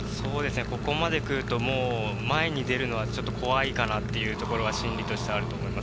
ここまでくると、もう前に出るのは怖いかなっていうところが心理としてあると思います。